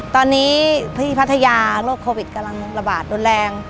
ตอนนี้ที่พัทยาโรคโควิดกำลังระบาดรุนแรง